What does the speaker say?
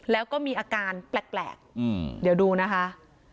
แล้วก็มีอาการแปลกเดี๋ยวดูนะคะ